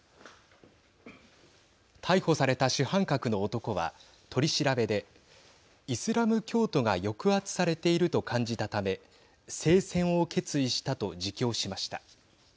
逮捕された主犯格の男は取り調べでイスラム教徒が抑圧されていると感じたため聖戦を決意したと自供しました。